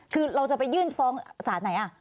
คือเราจะไปยื่นฟ้องศาลไหน